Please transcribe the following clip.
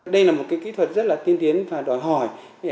đây là một kỹ thuật rất là tiên tiến và đòi hỏi